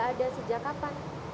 boleh diceritakan ya